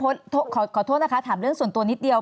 พี่พันธุ์พลขอโทษนะคะถามเรื่องส่วนตัวนิดเดียว